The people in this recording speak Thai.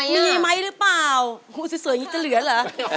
มีไหมหรือเปล่าสวยอันนี้จะเหลือเหรอ